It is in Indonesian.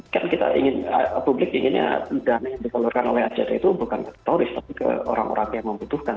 kan kita ingin publik inginnya dana yang disalurkan oleh act itu bukan teroris tapi ke orang orang yang membutuhkan